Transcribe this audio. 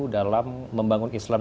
dalam membangun islam